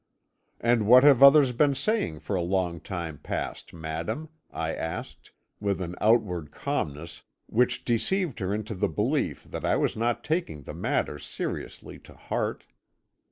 "'And what have others been saying for a long time past, madam?' I asked, with an outward calmness which deceived her into the belief that I was not taking the matter seriously to heart.